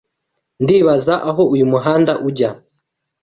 Ndibaza aho uyu muhanda ujya.